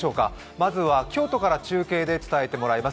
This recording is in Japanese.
まずは京都から中継で伝えてもらいます。